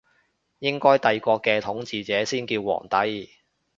應該帝國嘅統治者先叫皇帝